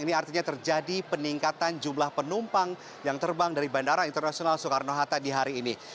ini artinya terjadi peningkatan jumlah penumpang yang terbang dari bandara internasional soekarno hatta di hari ini